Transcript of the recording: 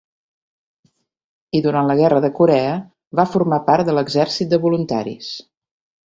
I durant la guerra de Corea va formar part de l'exèrcit de voluntaris.